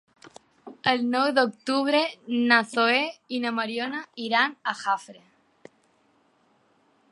El nou d'octubre na Zoè i na Mariona iran a Jafre.